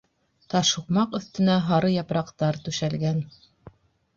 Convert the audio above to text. Таш һуҡмаҡ өҫтөнә һары япраҡтар түшәлгән.